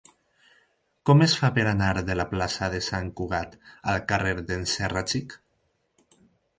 Com es fa per anar de la plaça de Sant Cugat al carrer d'en Serra Xic?